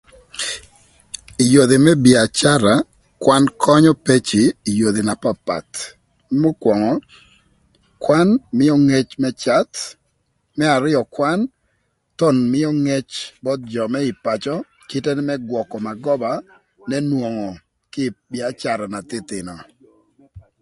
Yodhi më bïacara kwan könyö peci ï yodhi na papath mükwöngö, kwan mïö ngec më cath, më arïö kwan thon mïö ngec both jö më ï pacö kite më gwökö magoba n'enwongo kï ï bïacara na thïthïnö